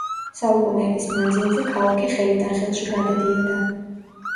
საუკუნეების მანძილზე ქალაქი ხელიდან ხელში გადადიოდა.